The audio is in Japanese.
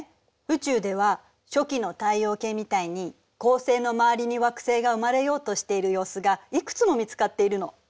宇宙では初期の太陽系みたいに恒星の周りに惑星が生まれようとしている様子がいくつも見つかっているの。